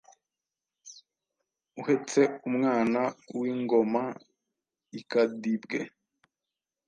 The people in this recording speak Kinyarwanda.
Uhetse umwana w'ingoma ikadibwe !